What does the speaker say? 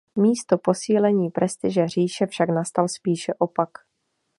Místo posílení prestiže říše však nastal spíše opak.